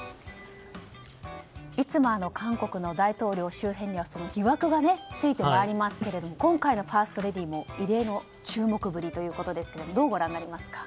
いつも韓国の大統領周辺には疑惑がついて回りますけれども今回のファーストレディーも異例の注目ぶりということですがどうご覧になりますか？